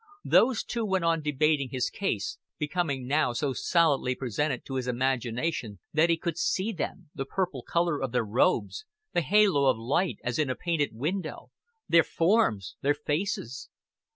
Those Two went on debating his case becoming now so solidly presented to his imagination that he could see Them, the purple color of Their robes, the halo of light as in a painted window, Their forms, Their faces.